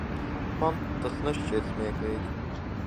Man tas nešķiet smieklīgi.